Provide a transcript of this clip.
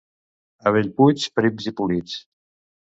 A Bellpuig, prims i polits.